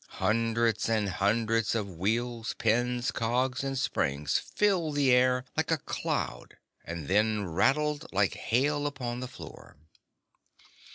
Hundreds and hundreds of wheels, pins, cogs and springs filled the air like a cloud and then rattled like hail upon the floor.